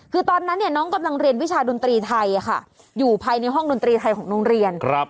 คือตอนนั้นน้องกำลังเรียนวิชาดนตรีไทยอยู่ภายในห้องดนตรีไทยของโรงเรียน